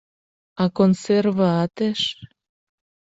А консерве атеш.